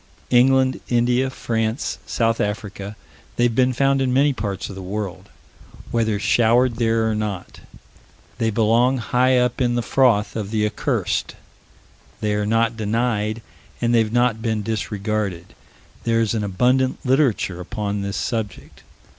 England, India, France, South Africa they've been found in many parts of the world whether showered there or not. They belong high up in the froth of the accursed: they are not denied, and they have not been disregarded; there is an abundant literature upon this subject.